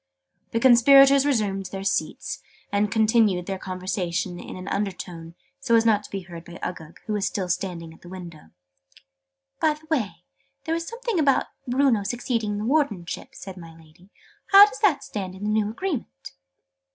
The Conspirators returned to their seats, and continued their conversation in an undertone, so as not to be heard by Uggug, who was still standing at the window. "By the way, there was something about Bruno succeeding to the Wrardenship," said my Lady. "How does that stand in the new Agreement?"